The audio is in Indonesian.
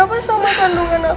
kenapa sama kandungan aku